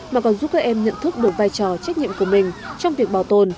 mà còn giúp các em nhận thức được vai trò trách nhiệm của mình trong việc bảo tồn